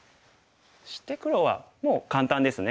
そして黒はもう簡単ですね。